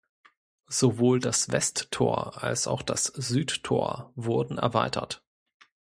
Sowohl das Westtor als auch das Südtor wurden erweitert.